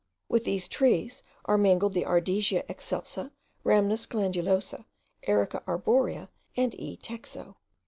With these trees are mingled the Ardisia excelsa, Rhamnus glandulosus, Erica arborea and E. texo.)